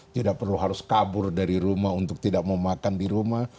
tidak perlu harus kabur dari rumah untuk tidak mau makan di rumah